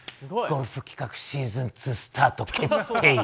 ゴルフ企画シーズン２スタート決定。